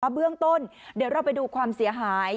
เบื้องต้นเดี๋ยวเราไปดูความเสียหาย